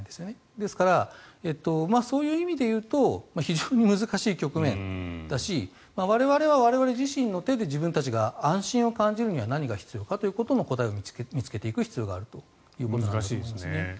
ですから、そういう意味でいうと非常に難しい局面だし我々は我々自身の手で自分たちが安心を感じるためには何が必要かということについても答えを見つけていく必要があるんじゃないかということだと思いますね。